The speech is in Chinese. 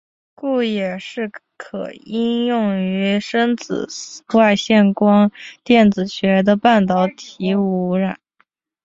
故也是可应用于深紫外线光电子学的半导体物料。